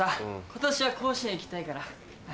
今年は甲子園行きたいから。